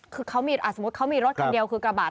คือเขามีสมมุติเขามีรถคันเดียวคือกระบาด